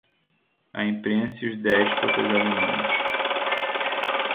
A Imprensa e os Déspotas Alemães